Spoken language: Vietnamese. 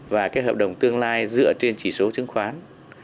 và cái hợp đồng tương lai dựa trên chỉ số chứng khoán